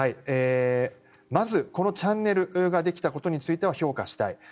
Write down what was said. まず、このチャンネルができたことについては評価したい。